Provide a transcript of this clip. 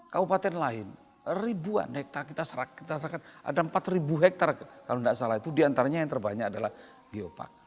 kabupaten lain ribuan hektare kita serahkan ada empat ribu hektare kalau tidak salah itu diantaranya yang terbanyak adalah geopark